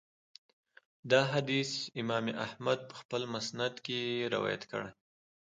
دا حديث امام احمد په خپل مسند کي روايت کړی